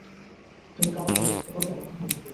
তুমি কি আমাকে মুগ্ধ করবে নাকি হুমকি দিবে?